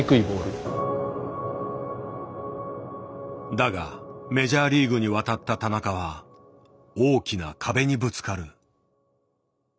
だがメジャーリーグに渡った田中は大きな壁にぶつかる。